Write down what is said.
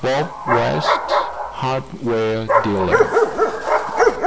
BOB WEST, HARDWARE DEALER.